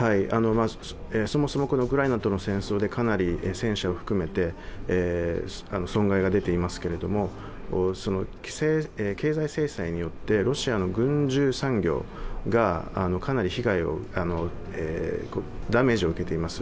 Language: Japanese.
そもそもウクライナとの戦争でかなり戦車を含めて損害が出ていますけれども、経済制裁によってロシアの軍需産業がかなりダメージを受けています。